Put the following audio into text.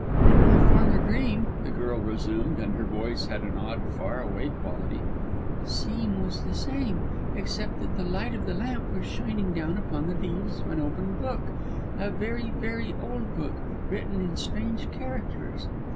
"In my former dream," the girl resumed and her voice had an odd, far away quality "the scene was the same, except that the light of the lamp was shining down upon the leaves of an open book a very, very old book, written in strange characters.